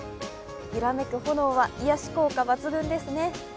揺らめく炎は癒やし効果抜群ですね。